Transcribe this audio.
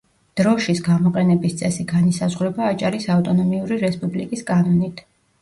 დროშის გამოყენების წესი განისაზღვრება აჭარის ავტონომიური რესპუბლიკის კანონით.